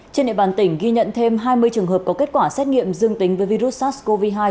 trên địa bàn tỉnh ghi nhận thêm hai mươi trường hợp có kết quả xét nghiệm dương tính với virus sars cov hai